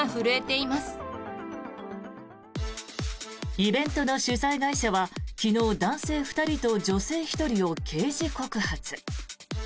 イベントの主催会社は昨日男性２人と女性１人を刑事告発。